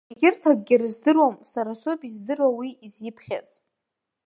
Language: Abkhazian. Егьырҭ акгьы рыздыруам, сара соуп издыруа уи изиԥхьаз.